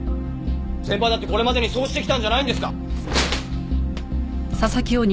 先輩だってこれまでにそうしてきたんじゃないんですか。